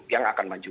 yang akan maju